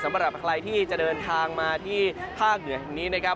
สำหรับใครที่จะเดินทางมาที่ภาคเหนือแห่งนี้นะครับ